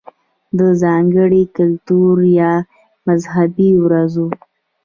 ده ځانګړې کلتوري يا مذهبي ورځو